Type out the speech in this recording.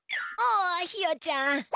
おおっひよちゃん。